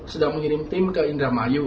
sedang mengirim tim ke indramayu